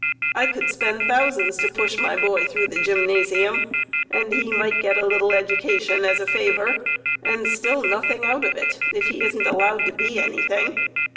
I could spend thousands to push my boy through the Gymnasium, and he might get a little education as a favor, and still nothing out of it, if he isn't allowed to be anything.